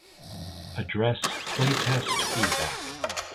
Address playtest feedback